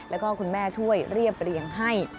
แล้วก็คุณแม่ช่วยเรียบเรียงให้